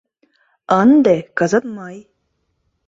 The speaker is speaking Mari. Ынде кызыт мый